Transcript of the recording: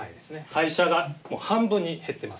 会社がもう半分に減っています。